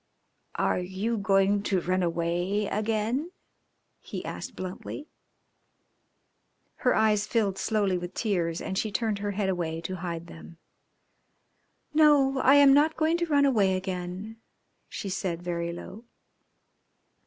"Are you going to run away again?" he asked bluntly. Her eyes filled slowly with tears, and she turned her head away to hide them. "No, I am not going to run away again," she said very low.